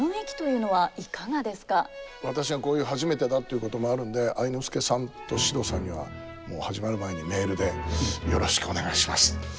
私がこういう初めてだっていうこともあるんで愛之助さんと獅童さんにはもう始まる前にメールで「よろしくお願いします。